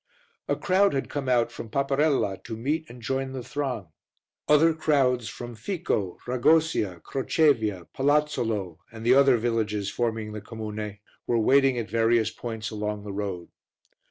A crowd had come out from Paparella to meet and join the throng, other crowds from Fico, Ragosia, Crocevia, Palazzolo and the other villages forming the comune, were waiting at various points along the road.